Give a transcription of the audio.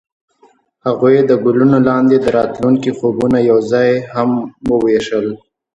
هغوی د ګلونه لاندې د راتلونکي خوبونه یوځای هم وویشل.